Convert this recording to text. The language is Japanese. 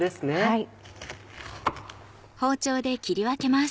はい。